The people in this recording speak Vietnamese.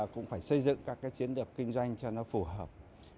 cũng phải xây dựng các cái chiến lược kinh doanh cho nó phù hợp